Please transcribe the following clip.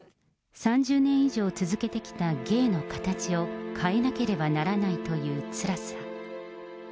３０年以上続けてきた芸の形を変えなければならないというつらさ。